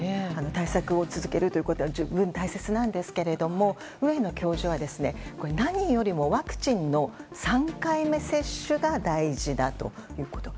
対策を続けるということは十分大切なんですけども上野教授は、何よりもワクチンの３回目接種が大事だということ。